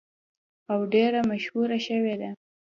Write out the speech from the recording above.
او ډیره مشهوره شوې ده.